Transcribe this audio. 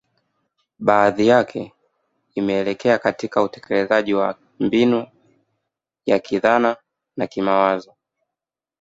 Baadhi yake imeelekea katika utekelezaji wa mbinu ya kidhana na kimawazo